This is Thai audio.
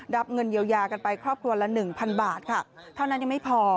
รับเงินเยียวยากันไปครอบครัวละหนึ่งพันบาทค่ะเท่านั้นยังไม่พอ